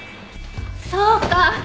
そうか！